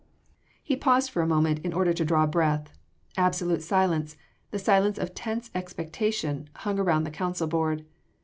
He paused a moment in order to draw breath; absolute silence the silence of tense expectation hung around the council board.